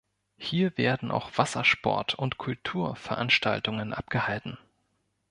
Hier werden auch Wassersport- und Kulturveranstaltungen abgehalten.